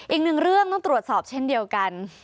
อีกหนึ่งเรื่องต้องตรวจสอบเช่นเดียวกัน